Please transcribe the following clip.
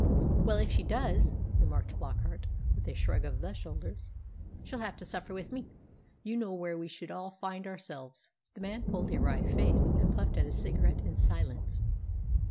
"Well, if she does," remarked Flockart, with a shrug of the shoulders, "she'll have to suffer with me. You know where we should all find ourselves." The man pulled a wry face and puffed at his cigarette in silence.